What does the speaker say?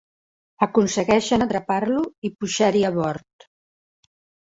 Aconsegueixen atrapar-lo i pujar-hi a bord.